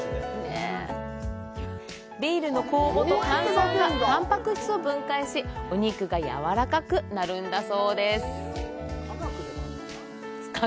ビールの酵母と炭酸がたんぱく質を分解し、お肉がやわらかくなるのだそうです。